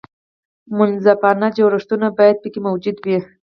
منصفانه جوړښتونه باید پکې موجود وي.